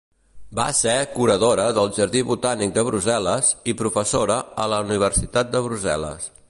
Va ser curadora del jardí Botànic de Brussel·les i professora a la Universitat de Brussel·les.